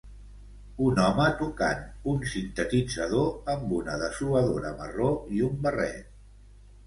Un home tocant un sintetitzador amb una dessuadora marró i un barret.